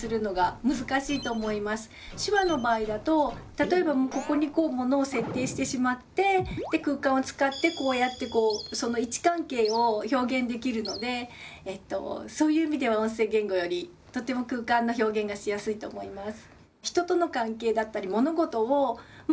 手話の場合だと例えばここにものを設定してしまって空間を使ってこうやってこうその位置関係を表現できるのでそういう意味では音声言語よりとても空間の表現がしやすいと思います。